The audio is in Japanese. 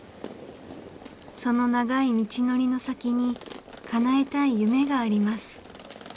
その長い道のりの先にかなえたい夢があります。